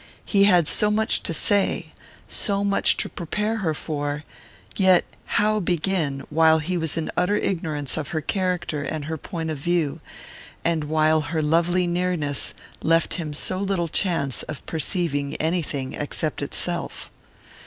He had so much to say so much to prepare her for yet how begin, while he was in utter ignorance of her character and her point of view, and while her lovely nearness left him so little chance of perceiving anything except itself?